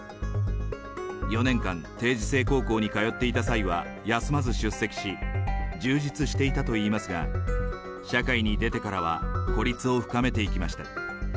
４年間、定時制高校に通っていた際は休まず出席し、充実していたといいますが、社会に出てからは孤立を深めていきました。